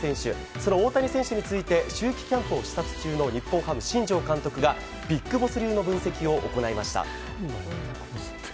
その大谷選手について秋季キャンプを視察中の日本ハム、新庄監督がビッグボス流の分析を行いました。